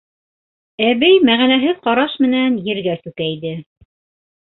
Әбей мәғәнәһеҙ ҡараш менән ергә сүкәйҙе.